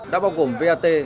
đã bao gồm vat